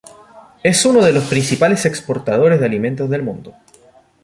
Es uno de los principales exportadores de alimentos del mundo.